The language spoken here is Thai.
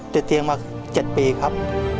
ติดเตียงมา๗ปีครับ